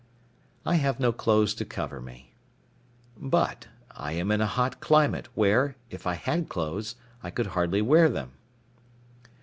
I have no clothes to cover me. But I am in a hot climate, where, if I had clothes, I could hardly wear them.